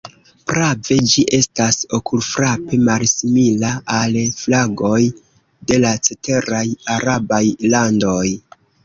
Prave, ĝi estas okulfrape malsimila al flagoj de la ceteraj arabaj landoj.